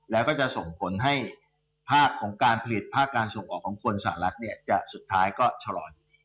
แล้วก็จะส่งผลให้ภาคของการผลิตภาคการส่งออกของคนสหรัฐเนี่ยจะสุดท้ายก็ชะลอน